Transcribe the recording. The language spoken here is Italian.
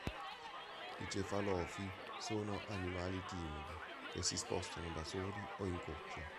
I cefalofi sono animali timidi che si spostano da soli o in coppia.